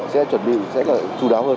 sẽ chuẩn bị sẽ là chú đáo hơn